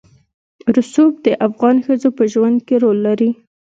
رسوب د افغان ښځو په ژوند کې رول لري.